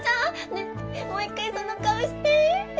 ねえもう一回その顔して！